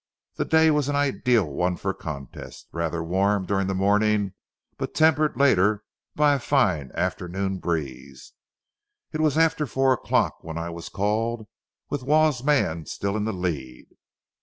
The day was an ideal one for the contests, rather warm during the morning, but tempered later by a fine afternoon breeze. It was after four o'clock when I was called, with Waugh's man still in the lead.